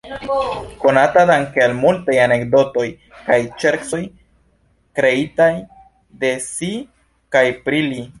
Konata danke al multaj anekdotoj kaj ŝercoj kreitaj de si kaj pri li.